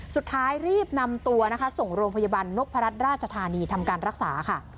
สุดท้ายรีบนำตัวนะคะส่งโรงพยาบาลนพรัชราชธานีทำการรักษาค่ะ